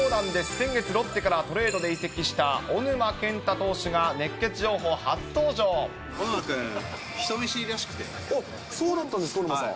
先月、ロッテからトレードで移籍した小沼健太投手が熱ケツ情報初小沼君、そうだったんですか、小沼さん。